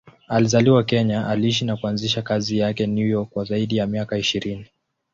Alizaliwa Kenya, aliishi na kuanzisha kazi zake New York kwa zaidi ya miaka ishirini.